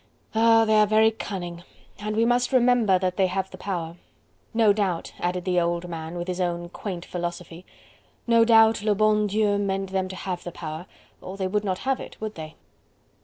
"Ah! they are very cunning... and we must remember that they have the power. No doubt," added the old man, with his own, quaint philosophy, "no doubt le bon Dieu meant them to have the power, or they would not have it, would they?"